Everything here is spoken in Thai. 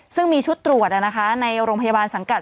ซึ่งมีชุดตรวจในโรงพยาบาลสังกัด